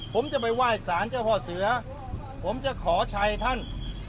ผมจะไปไหว้สารเจ้าพ่อเสือผมจะขอชัยท่าน